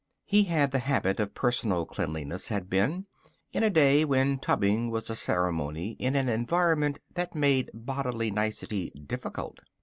He had the habit of personal cleanliness, had Ben, in a day when tubbing was a ceremony in an environment that made bodily nicety difficult.